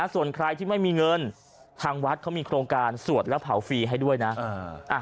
ส่วนใครที่ไม่มีเงินทางวัดเขามีโครงการสวดแล้วเผาฟรีให้ด้วยนะ